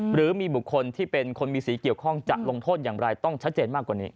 หรือมีบุคคลที่เป็นคนมีสีเกี่ยวข้องจะลงโทษอย่างไรต้องชัดเจนมากกว่านี้